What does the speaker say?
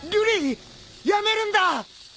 瑠璃やめるんだ！